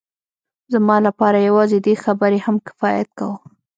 زما لپاره یوازې دې خبرې هم کفایت کاوه